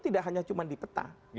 tidak hanya cuma di peta